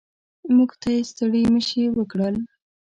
موږ ته یې ستړي مه شي وکړل.